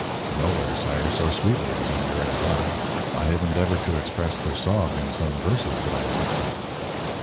"Nowhere, sire, so sweetly as in Eure et Loir. I have endeavored to express their song in some verses that I have written."